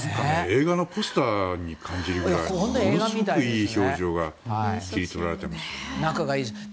映画のポスターに感じるくらいものすごいいい表情が切り取られてますね。